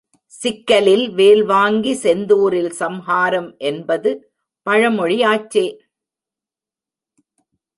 சிக்கலில் வேல் வாங்கி செந்தூரில் சம்ஹாரம் என்பது பழமொழியாச்சே.